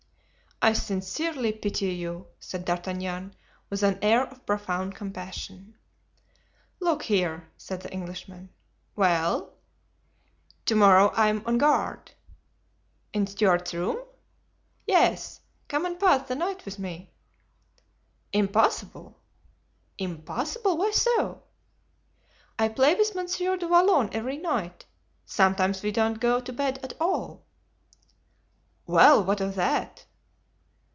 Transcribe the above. "I sincerely pity you," said D'Artagnan, with an air of profound compassion. "Look here," said the Englishman. "Well?" "To morrow I am on guard." "In Stuart's room?" "Yes; come and pass the night with me." "Impossible!" "Impossible! why so?" "I play with Monsieur du Vallon every night. Sometimes we don't go to bed at all!" "Well, what of that?"